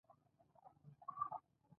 آیا د سون توکو ذخیرې لرو؟